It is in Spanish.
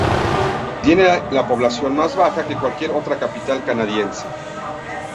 Tiene la población más baja que cualquier otra capital canadiense.